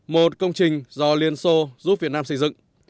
một công trình do liên xô giúp việt nam xây dựng